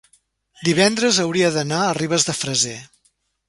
divendres hauria d'anar a Ribes de Freser.